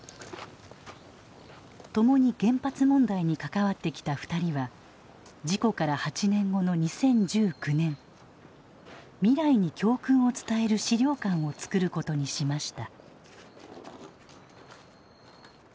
共に原発問題に関わってきた２人は事故から８年後の２０１９年未来に教訓を伝える資料館をつくることにしました。